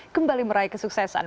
kembali meraih kesuksesan